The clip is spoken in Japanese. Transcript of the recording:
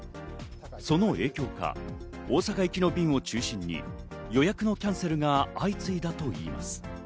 その影響か大阪行きの便を中心に予約のキャンセルが相次いだといいます。